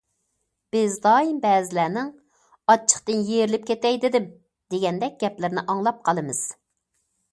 بىز دائىم بەزىلەرنىڭ« ئاچچىقتىن يېرىلىپ كېتەي دېدىم» دېگەندەك گەپلىرىنى ئاڭلاپ قالىمىز.